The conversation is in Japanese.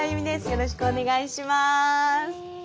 よろしくお願いします。